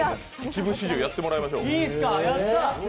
一部始終、やってもらいましょう。